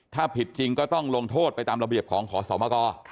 ถ้าผิดจริงก็ต้องลงโทษไปตามระเบียบของขอสมก